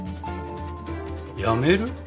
やめる？